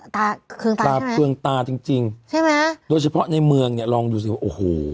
ตาเคืองตาตาเคืองตาจริงจริงใช่ไหมโดยเฉพาะในเมืองเนี่ยลองดูสิว่าโอ้โห